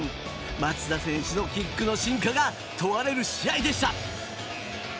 松田選手のキックの真価が問われる試合でした。